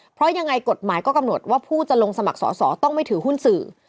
เพราะยังไงกฎหมายก็กำหนดว่าผู้จะลงสมัครสอสอต้องไม่ถือหุ้นสื่อ